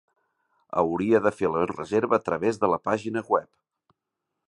Hauria de fer la reserva a través de la pàgina web.